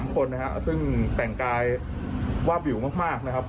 ๓คนนะครับซึ่งแต่งกายวาบวิวมากนะครับ